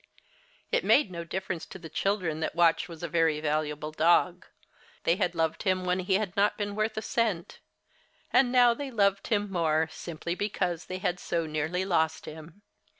It made no difference to the children that Watch was a very valuable dog. They had loved him when he had not been worth a cent; and now they loved him more, simply because they had so nearly lost him.